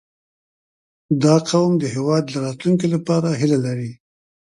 • دا قوم د هېواد د راتلونکي لپاره هیله لري.